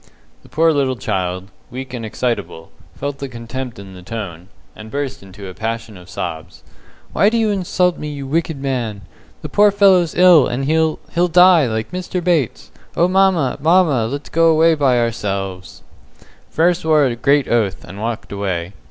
The poor little child, weak and excitable, felt the contempt in the tone, and burst into a passion of sobs. "Why do you insult me, you wicked man? The poor fellow's ill, and he'll he'll die, like Mr. Bates. Oh, mamma, mamma, Let's go away by ourselves." Frere swore a great oath, and walked away.